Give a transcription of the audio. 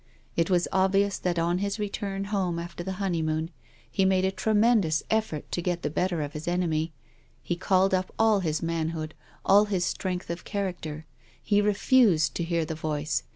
It was obvious that on his return home after the honeymoon, he made a tremen dous effort to get the better of his enemy. He called up all his manhood, all his strength of character. He refused to hear the voice.